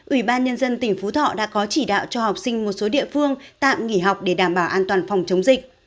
ủy ban nhân dân tỉnh phú thọ đã có chỉ đạo cho học sinh một số địa phương tạm nghỉ học để đảm bảo an toàn phòng chống dịch